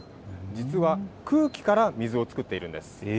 実は空気から水を作っているんです。